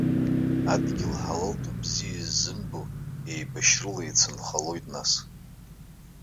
Адгьыл ҳалал ду бзиа иззымбо еибашьарыла еицынхалааит нас.